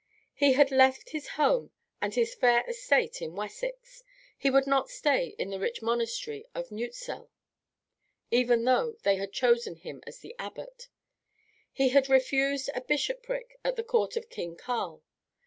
He had left his home and his fair estate in Wessex; he would not stay in the rich monastery of Nutescelle, even though they had chosen him as the abbot; he had refused a bishopric at the court of King Karl.